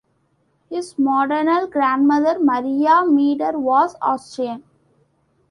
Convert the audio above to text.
His maternal grandmother, Maria Meder, was Austrian.